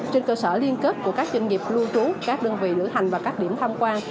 trên cơ sở liên kết của các doanh nghiệp lưu trú các đơn vị lữ hành và các điểm tham quan